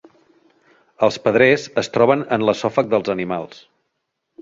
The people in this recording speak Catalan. Els pedrers es troben en l'esòfag dels animals.